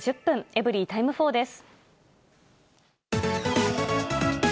エブリィタイム４です。